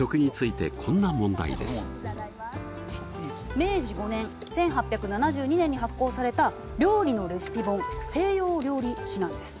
明治５年１８７２年に発行された料理のレシピ本「西洋料理指南」です。